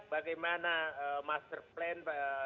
bagaimana master plan